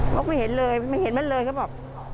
ก็ไม่เห็นเลยไม่เห็นมันเลยเขาบอก